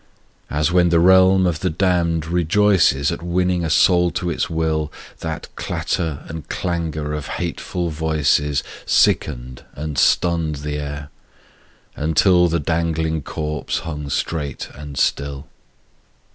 As when the realm of the damn'd rejoices At winning a soul to its will, That clatter and clangour of hateful voices Sicken'd and stunn'd the air, until The dangling corpse hung straight and still.